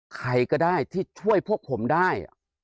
ใครก็ได้ที่ช่วยพวกผมได้